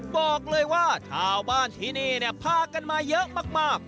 บอกเลยว่าชาวบ้านที่นี่พากันมาเยอะมาก